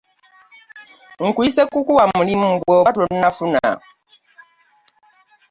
Nkuyise kukuwa mulimu bw'oba tonnafuna.